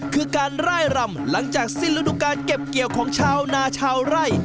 คือการไล่รำหลังจากสิ้นฤดูการเก็บเกี่ยวของชาวนาชาวไร่